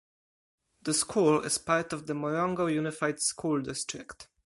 The school is part of the Morongo Unified School District.